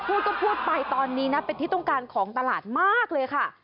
พูดก็พูดไปตอนนี้นะเป็นที่ต้องการของตลาดมากเลยค่ะ